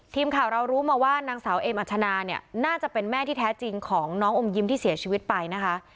ทีมข่าวเรารู้มาว่านางสาวเอมอัชนาเนี่ยน่าจะเป็นแม่ที่แท้จริงของน้องอมยิ้มที่เสียชีวิตไปนะคะ